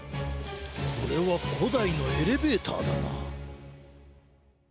これはこだいのエレベーターだな。